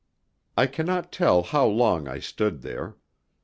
I cannot tell how long I stood there.